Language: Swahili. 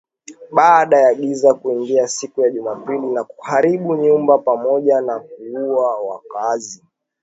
baada ya giza kuingia siku ya Jumapili na kuharibu nyumba pamoja na kuwaua wakaazi